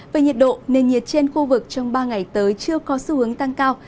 về nhiệt độ nền nhiệt trên khu vực trong ba ngày tới chưa có xu hướng tăng cao